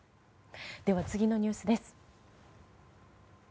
では、次のニュースです。